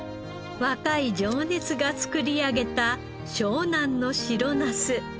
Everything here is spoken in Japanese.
若い情熱が作り上げた湘南の白ナス。